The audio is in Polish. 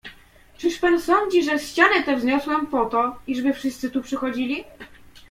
"Czyż pan sądzi, że ścianę tę wzniosłem po to, iżby wszyscy tu przychodzili?"